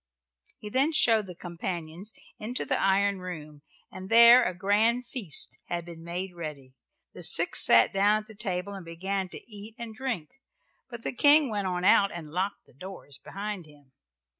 He then showed the companions into the iron room, and there a grand feast had been made ready. The six sat down at table and began to eat and drink, but the king went on out and locked the doors behind him.